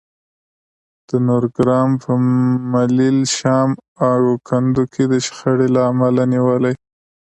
د نورګرام په ملیل، شام او کندو کې د شخړې له امله نیولي